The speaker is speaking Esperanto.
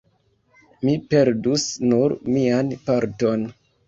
mi perdus nur mian parton.